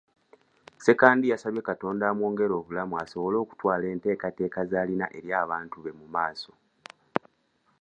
Ssekandi yasabye Katonda amwongere obulamu asobole okutwala enteekateeka z'alina eri abantu be mu maaso.